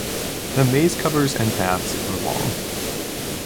The maze covers and paths are long.